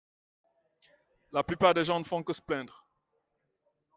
La plupart des gens ne font que se plaindre.